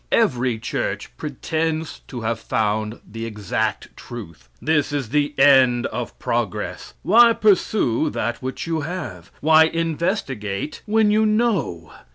Every church pretends to have found the exact truth. This is the end of progress. Why pursue that which you have? Why investigate when you know.